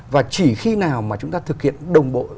và chỉ khi nào mà chúng ta thực hiện đồng bộ